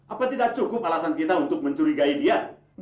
apa tidak cukup alasan kita untuk mencurigai dia